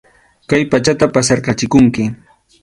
Kay pachata pasarqachikunki.